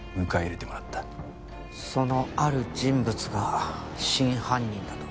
その「ある人物」が真犯人だと？